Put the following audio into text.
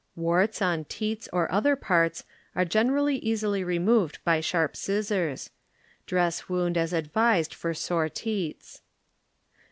Warts on teats or other parts are generally easily removed by sharp scis sors; dress wound as advised for sore teats.